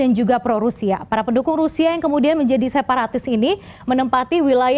dan juga pro rusia para pendukung rusia yang kemudian menjadi separatis ini menempati wilayah putin